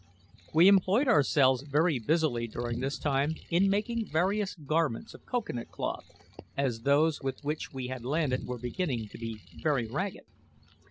We employed ourselves very busily during this time in making various garments of cocoa nut cloth, as those with which we had landed were beginning to be very ragged.